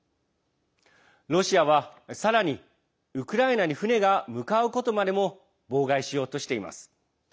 ロシアは、さらにウクライナに船が向かうことまでも妨害しようとしています。